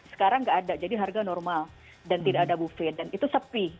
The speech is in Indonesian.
sekarang tidak ada jadi harga normal dan tidak ada bufit dan itu sepi